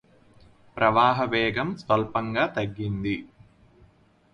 ప్రవాహ వేగం స్వల్పంగా తగ్గింది